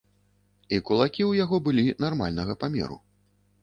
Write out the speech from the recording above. І кулакі ў яго былі нармальнага памеру.